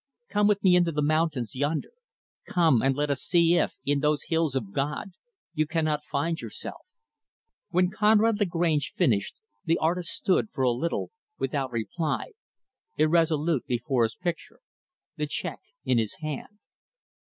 Come with me into the mountains, yonder. Come, and let us see if, in those hills of God, you cannot find yourself." When Conrad Lagrange finished, the artist stood, for a little, without reply irresolute, before his picture the check in his hand.